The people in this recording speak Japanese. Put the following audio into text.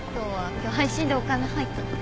今日配信でお金入ったから。